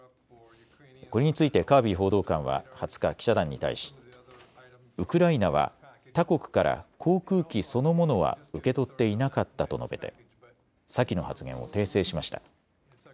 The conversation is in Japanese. これについてカービー報道官は２０日、記者団に対し、ウクライナは他国から航空機そのものは受け取っていなかったと述べて先の発言を訂正しました。